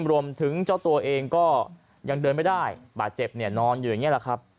รวมถึงเจ้าตัวเองก็ยังเดินไม่ได้บาดเจ็บเนี่ยนอนอยู่อย่างนี้แหละครับ